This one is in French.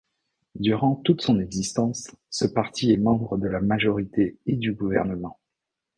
Durant tout son existence, ce parti est membre de la majorité et du gouvernement.